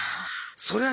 そりゃ